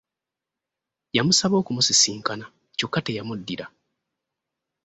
Yamusaba okumusisinkana kyokka teyamuddira .